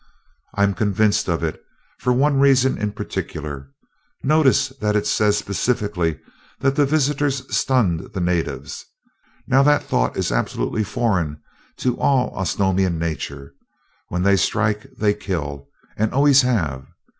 "I'm convinced of it, for one reason in particular. Notice that it says specifically that the visitors stunned the natives. Now that thought is absolutely foreign to all Osnomian nature when they strike they kill, and always have.